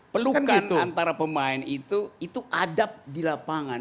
pelukan antara pemain itu itu adab di lapangan